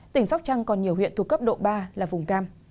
tỉnh sóc trăng còn nhiều huyện thuộc cấp độ ba là vùng cam